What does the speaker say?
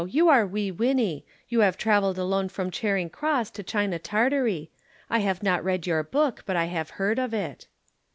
You are Wee Winnie. You travelled alone from Charing Cross to China Tartary. I have not read your book, but I have heard of it."